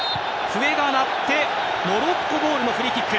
笛が鳴ってモロッコボールのフリーキック。